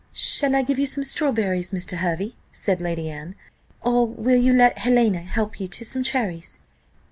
"Shall I give you some strawberries, Mr. Hervey," said lady Anne, "or will you let Helena help you to some cherries?"